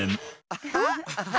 アハハ！